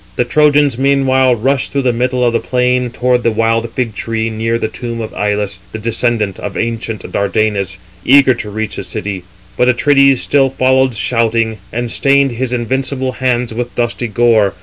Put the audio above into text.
[The Trojans] meanwhile rushed through the middle of the plain towards the wild fig tree, near the tomb of Ilus, the descendant of ancient Dardanus, eager to reach the city; but Atrides still followed shouting, and stained his invincible hands with dusty gore.